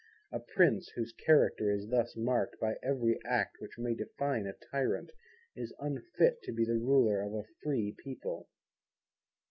A Prince, whose character is thus marked by every act which may define a Tyrant, is unfit to be the ruler of a free People.